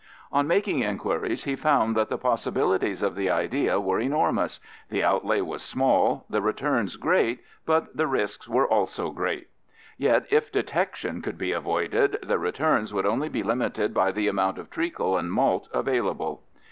On making inquiries, he found that the possibilities of the idea were enormous; the outlay was small, the returns great, but the risks were also great. Yet if detection could be avoided, the returns would only be limited by the amount of treacle and malt available.